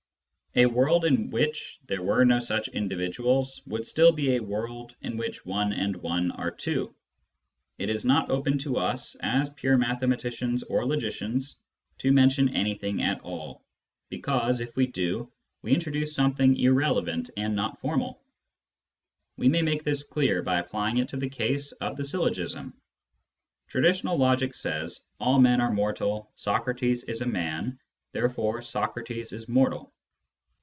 A world in which there were no such individuals would still be a world in which one and one are two. It is not open to us, as pure mathematicians or logicians, to mention anything at all, because, if we do so, Mathematics and Logic 197 we introduce something irrelevant and not formal. We may make this clear by applying it to the case of the syllogism. Traditional logic says :" All men are mortal, Socrates is a man, therefore Socrates is mortal."